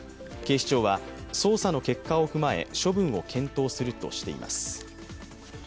警視庁は、捜査の結果を踏まえ、処分を検討するとしています。